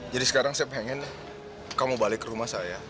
jadi sekarang saya pengen kamu balik ke rumah saya